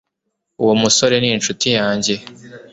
uwo musore ni inshuti yanjye